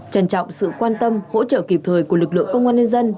trân trọng sự quan tâm hỗ trợ kịp thời của lực lượng công an nhân dân